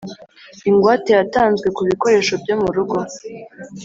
Ingwate yatanzwe ku bikoresho byo mu rugo